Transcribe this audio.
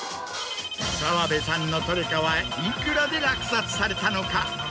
澤部さんのトレカはいくらで落札されたのか？